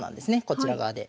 こちら側で。